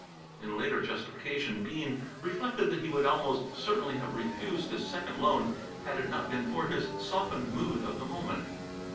In later justification, Bean reflected that he would almost certainly have refused this second loan had it not been for his softened mood of the moment.